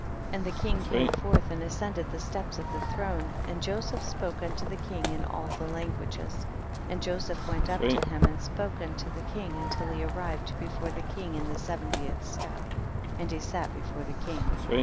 17. And the king came forth and ascended the steps of the throne, and Joseph spoke unto the king in all languages, and Joseph went up to him and spoke unto the king until he arrived before the king in the se ventieth step, and he sat before the king.